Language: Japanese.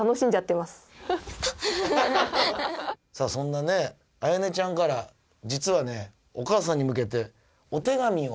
そんなねあやねちゃんから実はねお母さんに向けてお手紙を。